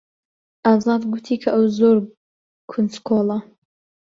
ئازاد گوتی کە ئەو زۆر کونجکۆڵە.